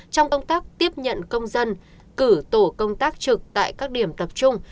trong công tác tiếp nhận công dân cử tổ công tác trực tại các điểm tập trung